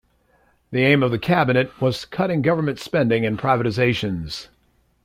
The aim of the cabinet was cutting government spending and privatizations.